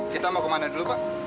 kita mau kemana dulu pak